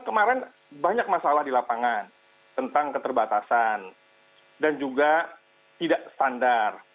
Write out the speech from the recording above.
kemarin banyak masalah di lapangan tentang keterbatasan dan juga tidak standar